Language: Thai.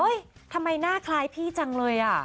ทำไมหน้าคล้ายพี่จังเลยอ่ะ